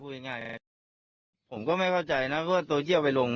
ง่ายผมก็ไม่เข้าใจนะเพราะว่าโซเชียลไปลง